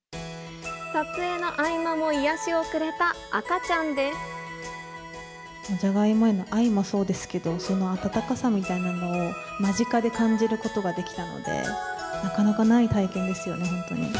撮影の合間も癒やしをくれたジャガイモへの愛もそうですけど、その温かさみたいなのを間近で感じることができたので、なかなかない体験ですよね、本当に。